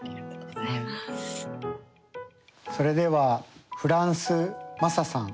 それではフランスｍａｓａさん。